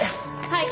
はい。